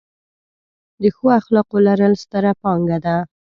د ښو اخلاقو لرل، ستره پانګه ده.